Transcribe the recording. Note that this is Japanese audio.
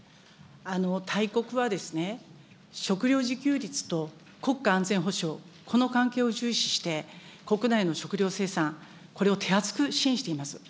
大国はですね、食料自給率と国家安全保障、この関係を重視して、国内の食料生産、これを手厚く支援しています。